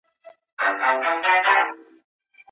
افغان زده کوونکي خپلواکي سیاسي پریکړي نه سي کولای.